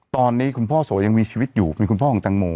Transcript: ตอนนี้คุณพ่อโสยังมีชีวิตอยู่เป็นคุณพ่อของแตงโม